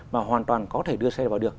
mà hoàn toàn có thể đưa xe vào đường